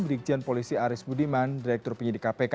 brigjen polisi aris budiman direktur penyidik kpk